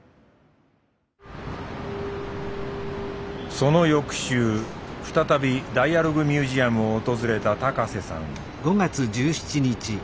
その翌週再びダイアログ・ミュージアムを訪れた高瀬さん。